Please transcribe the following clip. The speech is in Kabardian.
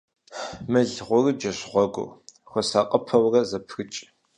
Мыл гъурыджэщ гъуэгур, ухуэсакъыпэурэ зэпрыкӏ.